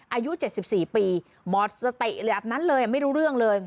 อายุเจ็ดสิบสี่ปีหมอสติหรืออันนั้นเลยไม่รู้เรื่องเลย